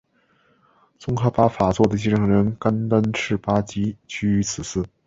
宗喀巴法座的继承人甘丹赤巴即居于此寺。